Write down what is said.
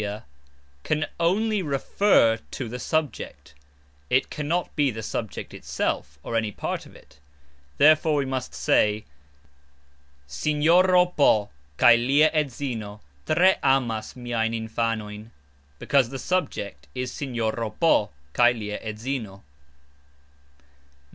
"Si", "sia", can only "refer to" the subject, it cannot be the subject itself or any part of it; therefore we must say "Sinjoro P. kaj lia edzino tre amas miajn infanojn", because the subject is "Sinjoro P. kaj lia edzino."